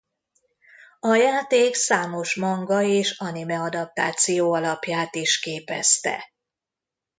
A játék számos manga- és animeadaptáció alapját is képezte.